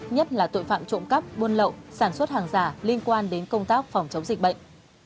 nhất là tội phạm trộm cắp buôn lậu sản xuất hàng giả liên quan đến công tác phòng chống dịch bệnh